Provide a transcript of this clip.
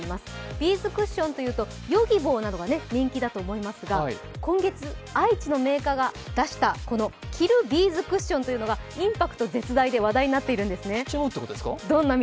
ビーズクッションというとヨギボーなどが人気だと思いますが今月、愛知のメーカーが出したこの着るビーズクッションというのがインパクト絶大で話題になっているんですね。